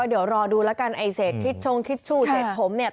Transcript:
ก็เดี๋ยวรอดูแล้วกันไอ้เศษทิชชุเจ็ดผมเนี่ย